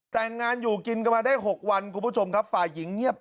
แต่งงานอยู่กินกันมาได้๖วันคุณผู้ชมครับฝ่ายหญิงเงียบ